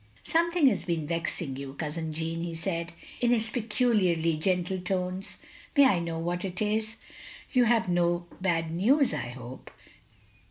"Something has been vexing you. Cousin Jeanne," he said, in his peculiarly gentle tones. "May I know what it is? You have no bad news, I hope?"